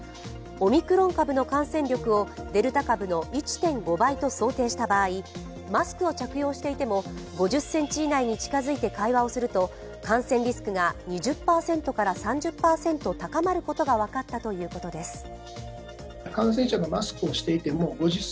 オミクロン株の感染力をデルタ株の１．５倍と想定した場合マスクを着用していても５０ｃｍ以内に近づいて会話をすると感染リスクが２０％から３０％高まることが分かったということです。